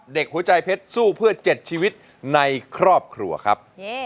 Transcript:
หัวใจเพชรสู้เพื่อ๗ชีวิตในครอบครัวครับ